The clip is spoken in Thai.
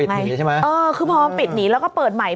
ใช่ไหมเออคือพอปิดหนีแล้วก็เปิดใหม่